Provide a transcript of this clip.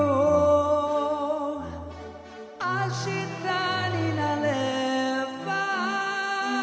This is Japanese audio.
「明日になれば」